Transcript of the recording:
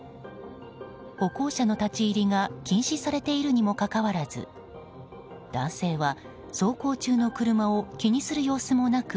歩行者の立ち入りが禁止されているにもかかわらず男性は、走行中の車を気にする様子もなく